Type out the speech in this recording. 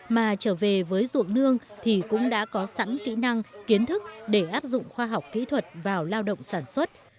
mà trở về với ruộng nương thì cũng đã có sẵn kỹ năng kiến thức để áp dụng khoa học kỹ thuật vào lao động sản xuất